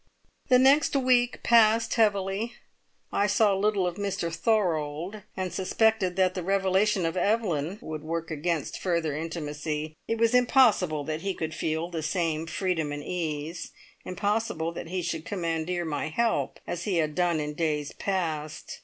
The next week passed heavily. I saw little of Mr Thorold, and suspected that the revelation of Evelyn would work against further intimacy. It was impossible that he could feel the same freedom and ease; impossible that he should commandeer my help as he had done in days past.